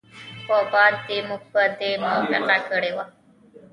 په یاد دي موږ په دې موافقه کړې وه